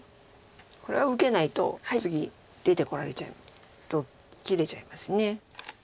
これは受けないと次出てこられちゃうと切れちゃいます。